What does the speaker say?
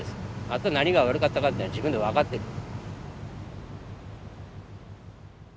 あと何が悪かったかっていうのは自分で分かってる。